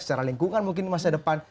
secara lingkungan mungkin masa depan